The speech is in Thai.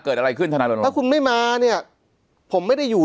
เกิดอะไรขึ้นถนัดถ้าคุณไม่มาเนี้ยผมไม่ได้อยู่